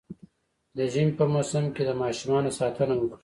د ژمي په موسم کي د ماشومانو ساتنه وکړئ